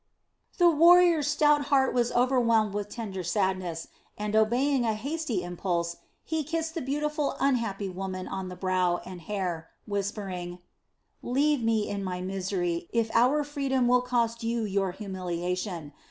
The warrior's stout heart was overwhelmed with tender sadness and, obeying a hasty impulse, he kissed the beautiful unhappy woman on the brow and hair, whispering: "Leave me in my misery, if our freedom will cost your humiliation.